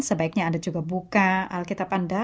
sebaiknya anda juga buka alkitab anda